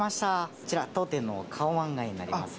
こちら当店のカオマンガイになります。